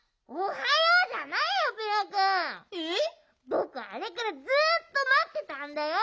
ぼくあれからずっとまってたんだよ。